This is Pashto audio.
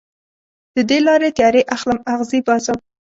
د دې لارې تیارې اخلم اغزې باسم